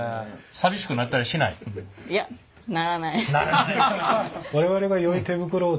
寂しくなったりしない？ならない。